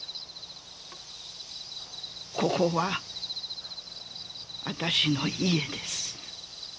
ここは私の家です。